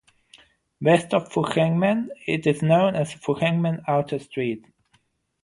West of Fuchengmen, it is known as Fuchengmen Outer Street.